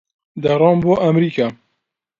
دەڕۆم بۆ ئەمریکا.